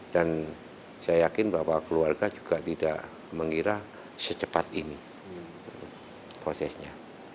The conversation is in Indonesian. dan saya yakin bahwa keluarga juga tidak mengira secepat ini prosesnya